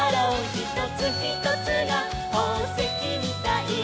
「ひとつひとつがほうせきみたい」